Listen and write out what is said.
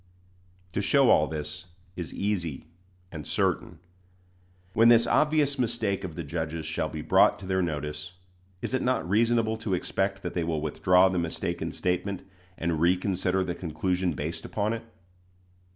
To show all this is easy and certain. When this obvious mistake of the judges shall be brought to their notice, is it not reasonable to expect that they will withdraw the mistaken statement, and reconsider the conclusion based upon it?